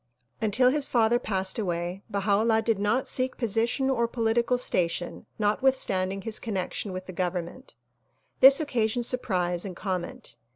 Until his father passed away Baha 'Ullah did not seek posi tion or political station notwithstanding his connection with the government. This occasioned surprise and comment.